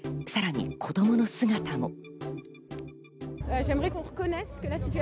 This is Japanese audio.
さらに子供の姿も。